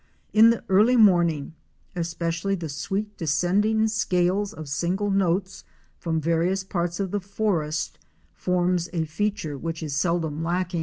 In the early morning especially, the sweet descending scales of single nates from various parts of the forest forms a feature which is seldom lacking.